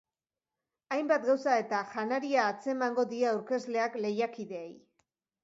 Hainbat gauza eta janaria atzemango die aurkezleak lehiakideei.